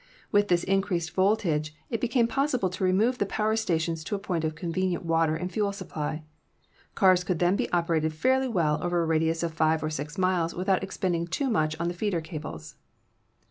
With this increased voltage it be came possible to remove the power station to a point of convenient water and fuel supply. Cars could then be operated fairly well over a radius of 5 or 6 miles without expending too much on the feeder cables.